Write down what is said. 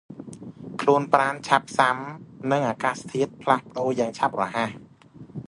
ខ្លួនប្រាណឆាប់ស៊ាំនឹងអាកាសធាតុផ្លាស់ប្តូរយ៉ាងឆាប់រហ័ស។